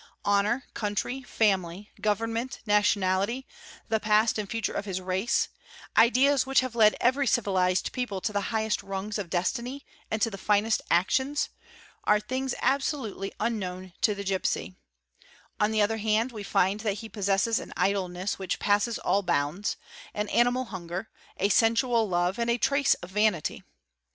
Honour, country, family, government, nation — ality, the past and future of his race—ideas which have led every civilised © people to the highest rungs of destiny and to the finest actions, are things absolutely unknown to the gipsy; on the other hand we find that | he possesses an idleness which passes all bounds, an animal hunger, a sensual love, and a trace of vanity.